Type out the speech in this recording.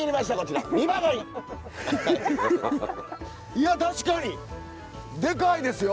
いや確かにでかいですよ！